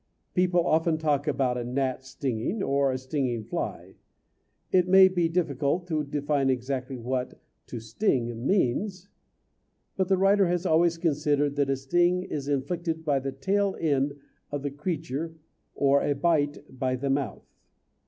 People often talk about a gnat stinging or a stinging fly; it may be difficult to define exactly what "to sting" means, but the writer has always considered that a sting is inflicted by the tail end of the creature or a bite by the mouth.